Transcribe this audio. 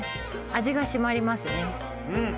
味が締まりますね